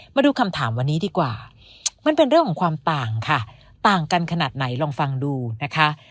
มาดูคำถามวันนี้ดีกว่ามันเป็นเรื่องของความต่างค่ะต่างกันขนาดไหนลองฟังดูนะคะ